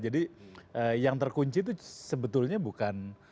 jadi yang terkunci itu sebetulnya bukan